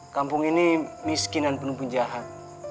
kampung ini miskin dan penumpang jahat